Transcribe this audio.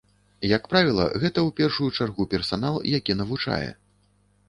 Як правіла, гэта ў першую чаргу персанал, які навучае.